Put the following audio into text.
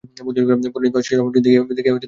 পণ্ডিমহাশয় সে রমণীকে দেখিয়া অবাক হইয়া গেলেন।